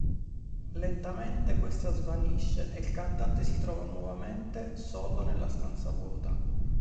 Lentamente, questa svanisce, e il cantante si trova nuovamente solo nella stanza vuota.